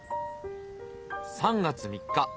３月３日。